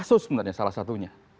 kasus sebenarnya salah satunya